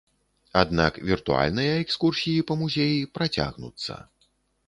Аднак віртуальныя экскурсіі па музеі працягнуцца.